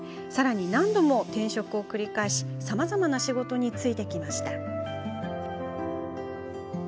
さらに、何度も転職を繰り返しさまざまな仕事に就いてきました。